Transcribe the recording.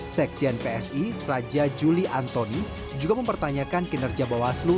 sekjen psi raja juli antoni juga mempertanyakan kinerja bawaslu